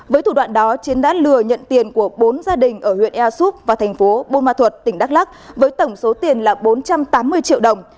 với thủ đoạn đó chiến đã lừa nhận tiền của bốn gia đình ở huyện ea súp và thành phố bôn ma thuật tỉnh đắk lắc với tổng số tiền là bốn trăm tám mươi triệu đồng